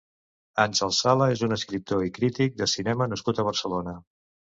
Àngel Sala és un escriptor i crític de cinema nascut a Barcelona.